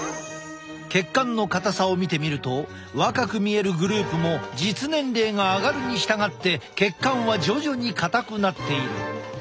血管の硬さを見てみると若く見えるグループも実年齢が上がるに従って血管は徐々に硬くなっている。